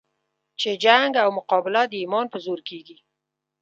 چې جنګ او مقابله د ایمان په زور کېږي.